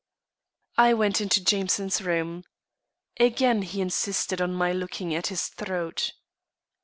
I went into Jameson's room. Again he insisted on my looking at his throat.